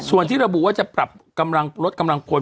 สมมุติว่าจะปรับกำลังลดกำลังพล